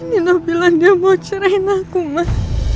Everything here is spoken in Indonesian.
nino bilang dia mau cerain aku mak